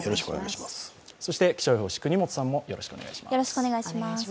そして気象予報士、國本さんもよろしくお願いします。